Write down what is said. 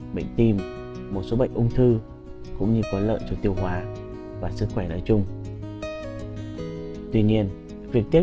bệnh tim một số bệnh ung thư cũng như có lợn cho tiêu hóa và sức khỏe nói chung tuy nhiên việc tiếp